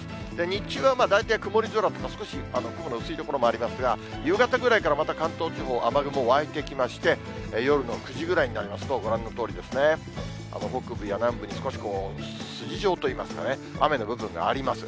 日中は大体曇り空とか、少し雲の薄い所もありますが、夕方ぐらいから、また関東地方、雨雲湧いてきまして、夜の９時くらいになりますと、ご覧のとおりですね、北部や南部に、少し筋状といいますか、雨の部分があります。